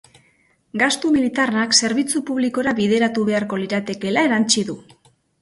Gastu militarrak zerbitzu publikora bideratu beharko liratekeela erantsi du.